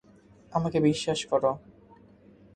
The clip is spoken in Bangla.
আমাকে বিশ্বাস করো!